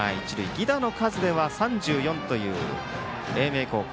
犠打の数では３４という英明高校。